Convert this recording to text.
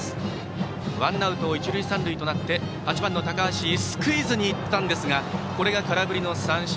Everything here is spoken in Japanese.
ワンアウト一塁三塁となって８番の高橋はスクイズにいきましたがこれが空振りの三振。